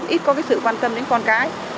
ít có cái sự quan tâm đến con cái